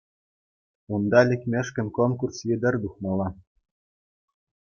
Унта лекмешкӗн конкурс витӗр тухмалла.